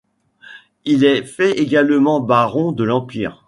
Il est fait également baron de l'Empire.